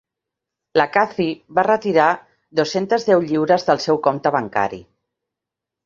La Cathy va retirar dos-centes deu lliures del seu compte bancari,